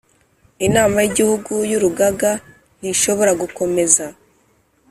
Inama y Igihugu y Urugaga ntishobora gukomeza